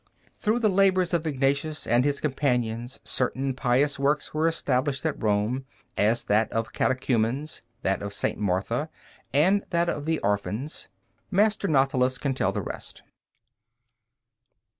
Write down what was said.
Through the labors of Ignatius and his companions, certain pious works were established at Rome, as that of Catechumens, that of St. Martha, and that of the Orphans. Master Natalis can tell the rest.